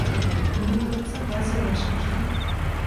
Мы — только согласия вашего ждем.